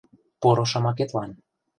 — Поро шомакетлан.